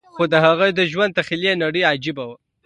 خو د هغه د ژوند تخيلي نړۍ عجيبه وه.